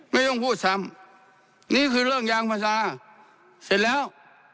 ไม่ต้องพูดซ้ำนี่คือเรื่องยางภาษาเสร็จแล้ว